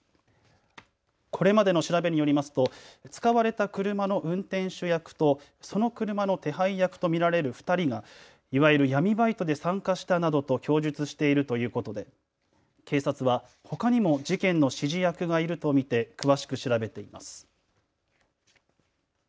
これまでの調べによりますと使われた車の運転手役とその車の手配役と見られる２人がいわゆる闇バイトで参加したなどと供述しているということで警察はほかにも事件の指示役がいると見て詳しく調べています。